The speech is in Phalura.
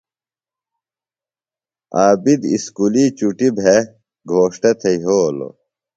عابد اُسکُلیۡ چُٹیۡ بھےۡ گھوݜٹہ تھےۡ یھولوۡ ۔